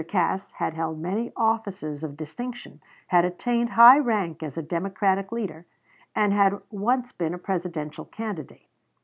Cass had held many offices of distinction, had attained high rank as a Democratic leader, and had once been a Presidential candidate.